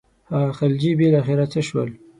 هغه خلجي بالاخره څه شول.